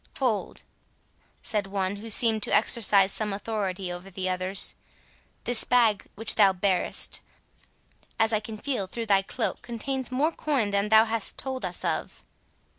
"Hold," said one who seemed to exercise some authority over the others; "this bag which thou bearest, as I can feel through thy cloak, contains more coin than thou hast told us of."